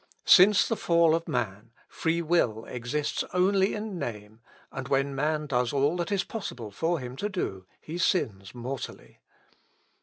"Since the fall of man, free will exists only in name, and when man does all that is possible for him to do, he sins mortally.